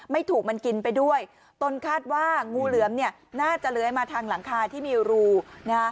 ไม่ถูกมันกินไปด้วยตนคาดว่างูเหลือมเนี่ยน่าจะเลื้อยมาทางหลังคาที่มีรูนะฮะ